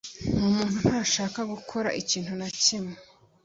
Uwo muntu ntashaka gukora ikintu na kimwe